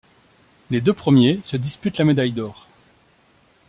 Les deux premiers se disputent la médaille d'or.